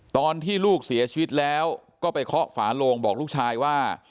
ตอนที่ลูกเสียชีวิตแล้วก็ไปเคาะฝาโลงบอกลูกชายว่า